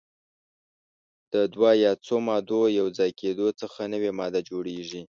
د دوه یا څو مادو یو ځای کیدو څخه نوې ماده جوړیږي.